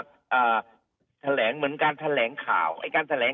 แบบที่แบบแบบที่แบบเอ่อแบบที่แบบเอ่อ